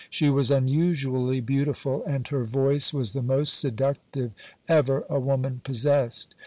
She was unusually beautiful, and her voice was the most seductive ever a woman possessed.